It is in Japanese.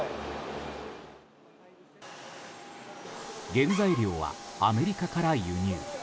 原材料はアメリカから輸入。